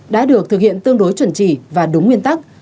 đã được thực hiện tương đối chuẩn chỉ và đúng nguyên tắc